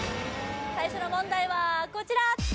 最初の問題はこちら